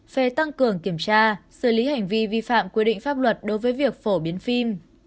về tăng cường kiểm tra xử lý hành vi vi phạm quy định pháp luật đối với việc phổ biến phim